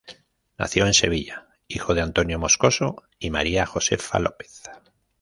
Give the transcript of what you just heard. Nació en Sevilla, hijo de Antonio Moscoso y María Josefa López.